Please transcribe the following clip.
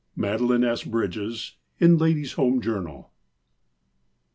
—Madeline S. Bridges, in Ladies' Home Journal.